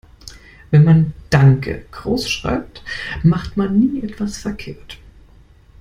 Wenn man "Danke" großschreibt, macht man nie etwas verkehrt.